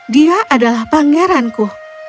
dia adalah pangeranku